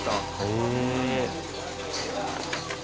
へえ。